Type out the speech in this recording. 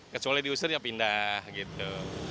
kecuali diusir ya pindah gitu